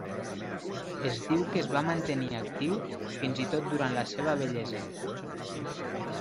Es diu que es va mantenir actiu fins i tot durant la seva vellesa.